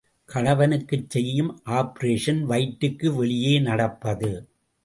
கணவனுக்குச் செய்யும் ஆப்பரேஷன் வயிற்றுக்கு வெளியே நடப்பது.